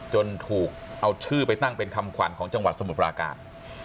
ถูกเอาชื่อไปตั้งเป็นคำขวัญของจังหวัดสมุทรปราการ